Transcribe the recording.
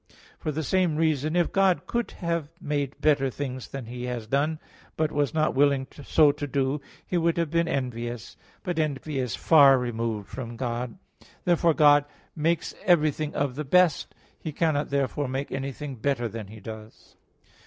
For the same reason, if God could have made better things than He has done, but was not willing so to do, He would have been envious. But envy is far removed from God. Therefore God makes everything of the best. He cannot therefore make anything better than He does.